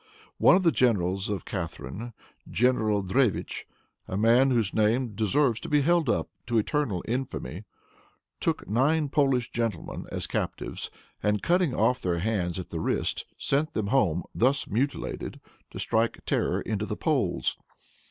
One of the generals of Catharine, General Drevitch, a man whose name deserves to be held up to eternal infamy, took nine Polish gentlemen as captives, and, cutting off their hands at the wrist, sent them home, thus mutilated, to strike terror into the Poles.